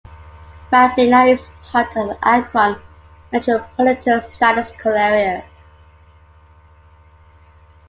Ravenna is part of the Akron Metropolitan Statistical Area.